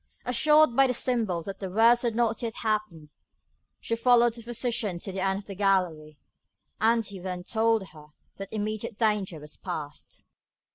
Assured by the symbol that the worst had not yet happened, she followed the physician to the end of the gallery, and he then told her that immediate danger was past.